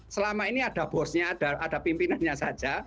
selama ini ada bosnya ada pimpinannya saja